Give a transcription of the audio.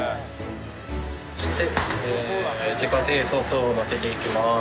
そして自家製ソースをのせていきます。